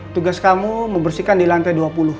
tugas kamu membersihkan di lantai dua puluh